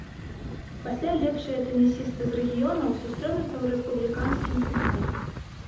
Пасля лепшыя тэнісісты з рэгіёнаў сустрэнуцца ў рэспубліканскім фінале.